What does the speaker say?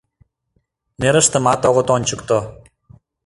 Нерыштымат огыт ончыкто...